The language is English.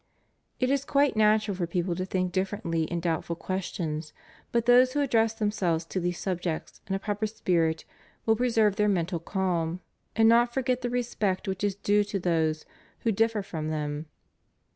It is quite natural for people to think differently in doubtful questions, but those who address themselves to these subjects in a proper spirit vvdll preserve their mental calm and not forget the respect which is due to those who differ from them.